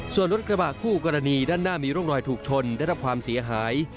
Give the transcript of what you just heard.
ส่วนรถกระบะคู่กรณีด้านหน้ามีร่องรอยถูกชนได้รับความเสียหาย